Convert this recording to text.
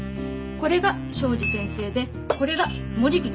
これが庄司先生でこれが守口先生。